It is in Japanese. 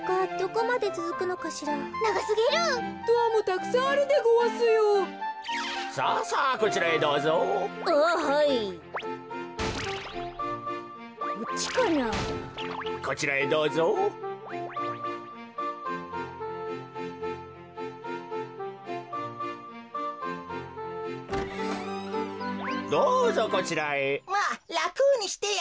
まあらくにしてよ。